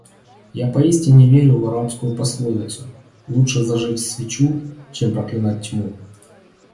Я поистине верю в арабскую пословицу: "лучше зажечь свечу, чем проклинать тьму".